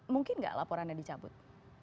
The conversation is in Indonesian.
mungkin nggak laporannya dicabut